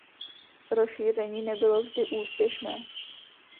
Rozšíření nebylo vždy úspěšné.